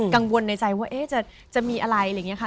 กังวลในใจว่าจะมีอะไรอะไรอย่างนี้ค่ะ